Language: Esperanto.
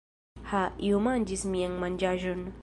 Ha, iu manĝis mian manĝaĵon!